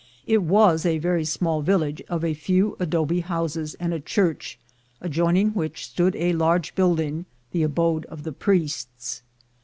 It was a very small village of a few adobe houses and a church, adjoining which stood a large building, the abode of the priests.